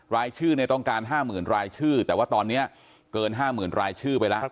รายชื่อในต้องการห้าหมื่นรายชื่อแต่ว่าตอนเนี้ยเกินห้าหมื่นรายชื่อไปแล้ว